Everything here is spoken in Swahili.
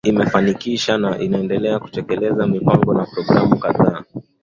Ofisi imefanikisha na inaendelea kutekeleza mipango na programu kadhaa